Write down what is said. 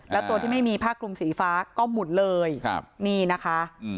แล้วตัวที่ไม่มีผ้าคลุมสีฟ้าก็หมุนเลยนี่นะคะ